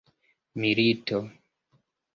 milito